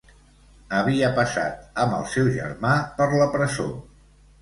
Havia passat, amb el seu germà, per la presó.